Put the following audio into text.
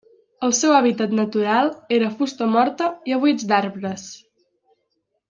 El seu hàbitat natural era fusta morta i a buits d'arbres.